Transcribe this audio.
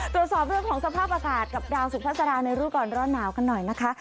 ตรวจสอบเรื่องของสภาพอากาศกับดาวสุภาษาในรู้ก่อนร้อนหนาวกันหน่อยนะคะ